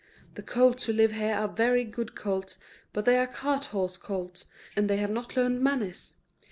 The colts who live here are very good colts, but they are cart horse colts, and they have not learned manners.